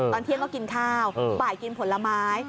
ตอนเที่ยงก็กินข้าวบ่ายกินผลไม้